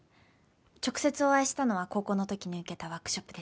直接お会いしたのは高校の時に受けたワークショップですけど。